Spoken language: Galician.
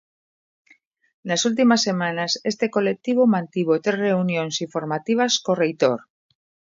Nas últimas semanas este colectivo mantivo tres reunións informativas co reitor.